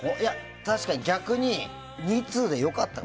確かに、逆に２通で良かった。